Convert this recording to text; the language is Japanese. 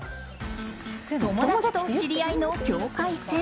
友達と知り合いの境界線。